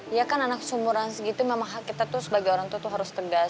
ya kan anak seumuran segitu memang kita tuh sebagai orang tua tuh harus tegas